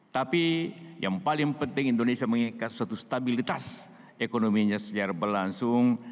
tapi yang paling penting indonesia mengingatkan suatu stabilitas ekonominya secara berlangsung